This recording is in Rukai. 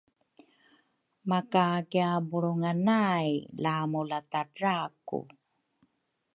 Makakiabulrunga nay la mulatadra ku